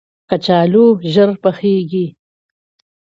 کچالو ژر پخیږي